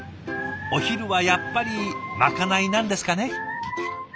お昼はやっぱりまかないなんですかね。